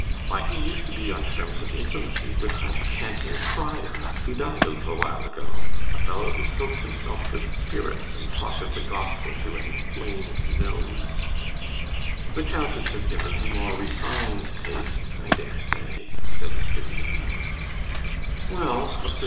Why, he used to be on terms of intimacy with that canting Prior, who died a little while ago; a fellow who soaked himself with spirits, and talked of the Gospel through an inflamed nose.' 'The Countess has given him more refined tastes, I daresay,' said Mr. Ely.